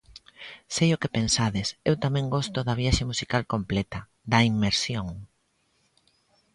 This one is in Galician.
Sei o que pensades, eu tamén gosto da viaxe musical completa, da inmersión.